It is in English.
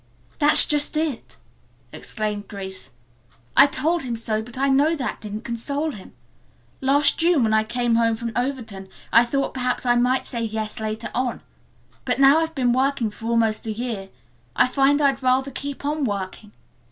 "That is just it!" exclaimed Grace. "I told him so, but I know that didn't console him. Last June when I came home from Overton I thought perhaps I might say 'yes' later on. But now that I've been working for almost a year I find I'd rather keep on working.